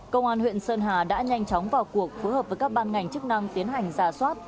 công an huyện sơn hà đã nhanh chóng vào cuộc phối hợp với các ban ngành chức năng tiến hành giả soát